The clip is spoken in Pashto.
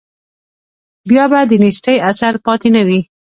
بیا به د نیستۍ اثر پاتې نه وي.